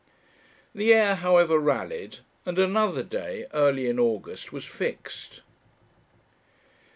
The heir, however, rallied, and another day, early in August, was fixed.